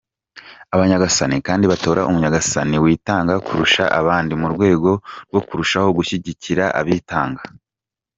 Abanyagasani kandi banatora Umunyagasani witanga kurusha abandi mu rwego rwo kurushaho gushyigikira abitanga.